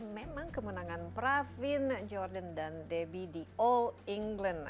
memang kemenangan pravin jordan dan debbie di all england